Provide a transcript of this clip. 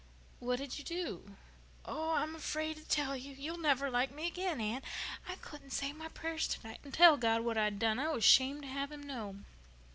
"What did you do?" "Oh, I'm afraid to tell you. You'll never like me again, Anne. I couldn't say my prayers tonight. I couldn't tell God what I'd done. I was 'shamed to have Him know."